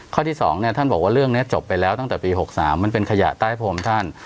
ข้อที่๒เนี่ยท่านบอกว่าเรื่องนี้จบไปแล้วตั้งแต่ปี๖๓มันเป็นขยะใต้พรมท่าน